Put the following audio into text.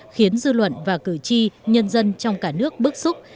khiến dư luận và cử tri nhân dân trong cả nước bức xúc